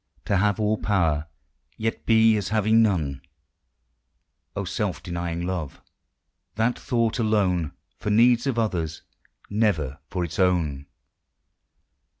To have all power, yet be as having none ! Oh, self denying love, that thought alone For needs of others, never for its own